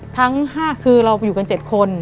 ทั้ง๕คือเราอยู่กัน๗คน